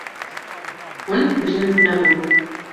Hûn bilind nebûn.